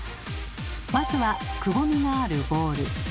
まずはくぼみがあるボール。